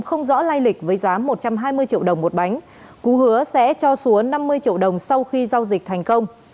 không rõ lai lịch với giá một trăm hai mươi triệu đồng một bánh cú hứa sẽ cho xúa năm mươi triệu đồng sau khi giao dịch thành công